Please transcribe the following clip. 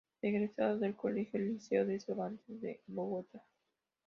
Egresado del Colegio Liceo de Cervantes de Bogotá.